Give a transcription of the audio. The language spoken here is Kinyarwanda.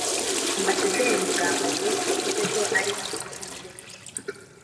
Ambasaderi Mugambage yavuze ko ari amahitamo y’umuntu